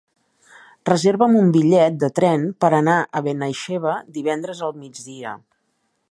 Reserva'm un bitllet de tren per anar a Benaixeve divendres al migdia.